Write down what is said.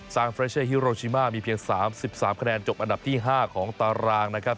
เฟรเช่ฮิโรชิมามีเพียง๓๓คะแนนจบอันดับที่๕ของตารางนะครับ